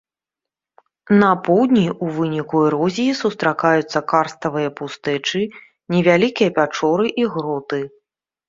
На поўдні ў выніку эрозіі сустракаюцца карставыя пустэчы, невялікія пячоры і гроты.